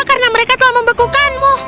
karena mereka telah membekukanmu